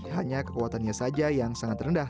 hanya kekuatannya saja yang sangat rendah